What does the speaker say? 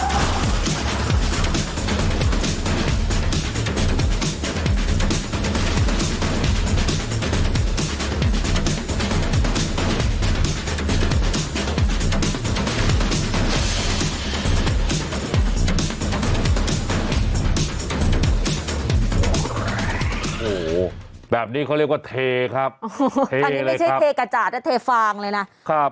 คันนี้ไม่ใช่เทครับคันนี้ไม่ใช่เทครับ